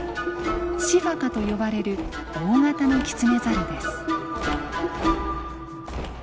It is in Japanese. シファカと呼ばれる大型のキツネザルです。